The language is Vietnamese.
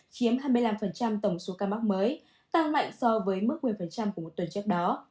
chiếm hai mươi năm tổng số ca mắc mới tăng mạnh so với mức một mươi của một tuần trước đó